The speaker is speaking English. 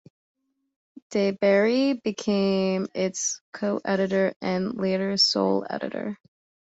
De Bary became its coeditor and later sole editor.